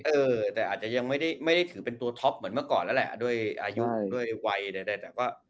เออแต่อาจจะยังไม่ได้ไม่ได้ถือเป็นตัวท็อปเหมือนเมื่อก่อนแล้วแหละด้วยอายุด้วยวัยใดแต่ก็